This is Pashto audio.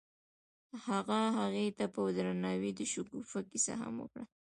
هغه هغې ته په درناوي د شګوفه کیسه هم وکړه.